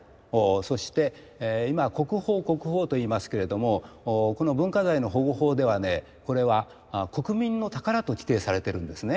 そして今国宝国宝といいますけれどもこの文化財の保護法ではねこれは国民の宝と規定されてるんですね。